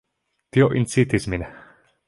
Tio incitis min.